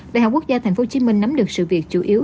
đại học quốc gia tp hcm nắm được sự việc chủ yếu